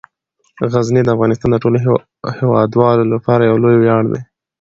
غزني د افغانستان د ټولو هیوادوالو لپاره یو لوی ویاړ دی.